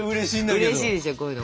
うれしいでしょこういうの。